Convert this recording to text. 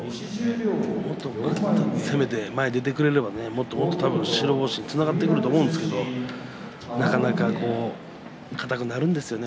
もっと攻めて前に出てくれれば、もっと白星につながってくると思うんですけどなかなか硬くなるんですよね。